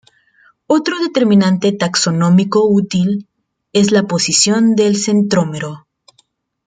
Otro determinante taxonómico útil es la posición del centrómero.